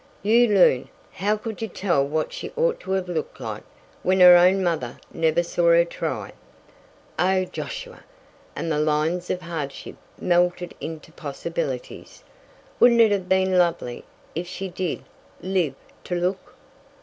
"You loon! How could you tell what she ought to have looked like when her own mother never saw her try? Oh, Josiah," and the lines of hardship melted into possibilities, "wouldn't it have been lovely if she did live to look!"